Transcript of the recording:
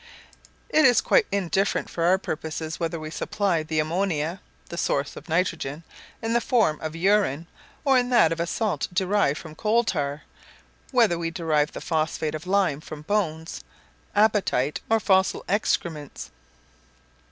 It is quite indifferent for our purpose whether we supply the ammonia (the source of nitrogen) in the form of urine, or in that of a salt derived from coal tar; whether we derive the phosphate of lime from bones, apatite, or fossil excrements (the coprolithes).